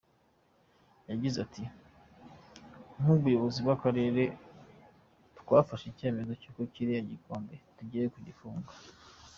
Yagize ati “Nk’ubuyobozi bw’Akarere twafashe icyemezo cy’uko kiriya kirombe tugiye kugifunga.